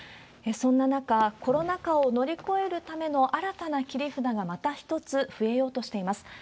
そんな中、コロナ禍を乗り越えるための新たな切り札がまた一つ増えようとしています。